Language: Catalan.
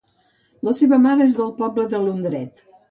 La seva mare és del poble de Lundret.